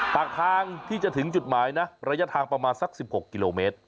ปากทางที่จะถึงจุดหมายนะระยะทางประมาณสัก๑๖กิโลเมตร